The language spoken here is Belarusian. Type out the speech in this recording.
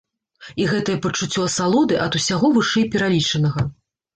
І гэтае пачуццё асалоды ад усяго вышэйпералічанага.